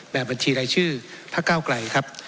แบบบัญชีรายชื่อพักเก้าไกลครับ